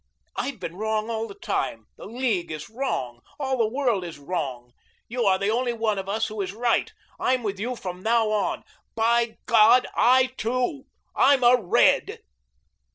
I've been wrong all the time. The League is wrong. All the world is wrong. You are the only one of us all who is right. I'm with you from now on. BY GOD, I TOO, I'M A RED!"